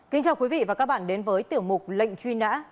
kính chào quý vị và các bạn đến với tiểu mục lệnh truy nã